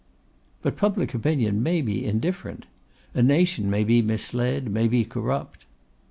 'But public opinion may be indifferent. A nation may be misled, may be corrupt.